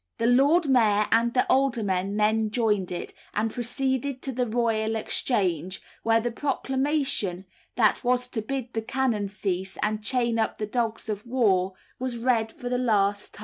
The Lord Mayor and aldermen then joined it, and proceeded to the Royal Exchange, where the proclamation, that was to bid the cannon cease and chain up the dogs of war, was read for the last time.